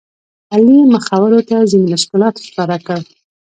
علي مخورو ته ځینې مشکلات ښکاره کړل.